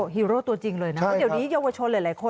ฮีโร่ตัวจริงเลยนะเดี๋ยวนี้เยาวชนเหลือหลายคน